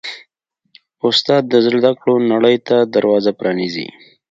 استاد د زده کړو نړۍ ته دروازه پرانیزي.